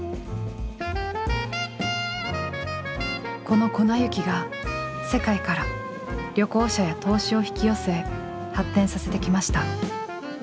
この粉雪が世界から旅行者や投資を引き寄せ発展させてきました。